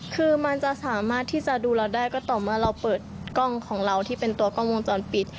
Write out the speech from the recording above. คือมันจะสามารถที่จะดูเราได้ก็ต่อเมื่อเราเปิดกล้องของเราที่เป็นตัวกล้องวงจรปิด